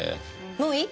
もういい？